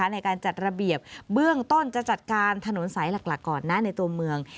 ในการจัดระเบียบเบื้องต้นจะจัดการถนนสายหลักก่อนนะในตัวเมือง